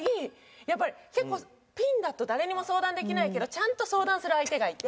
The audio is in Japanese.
やっぱり結構ピンだと誰にも相談できないけどちゃんと相談する相手がいて。